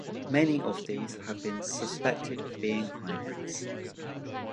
Many of these have been suspected of being hybrids.